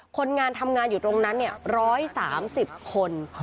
คนงานทำงานอยู่ตรงนั้น๑๓๐คน